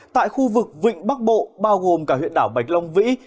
tại khu vực vịnh bắc bộ bao gồm cả huyện đảo bạch long vĩ